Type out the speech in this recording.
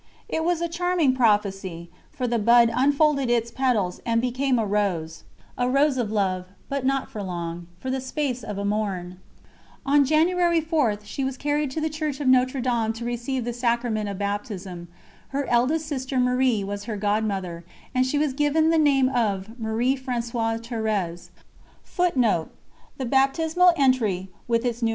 It was a charming prophecy, for the bud unfolded its petals and became a rose a rose of love but not for long, "for the space of a morn!" On January 4, she was carried to the Church of Notre Dame to receive the Sacrament of Baptism; her eldest sister, Marie, was her godmother, and she was given the name of _Marie Françoise Thérèse.